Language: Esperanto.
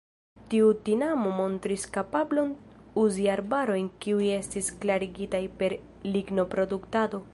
Tiu tinamo montris kapablon uzi arbarojn kiuj estis klarigitaj per lignoproduktado.